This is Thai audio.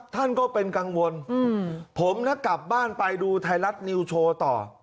ท่านก็เป็นกังวลผมนะกลับบ้านไปดูไทยรัฐนิวโชว์ต่อ